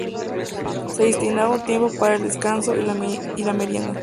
Se destinaba un tiempo para el descanso y la merienda.